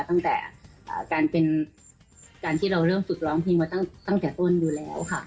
ตั้งแต่การที่เราเริ่มสุดร้องเพลงมาตั้งแต่ต้นดูแล้วค่ะ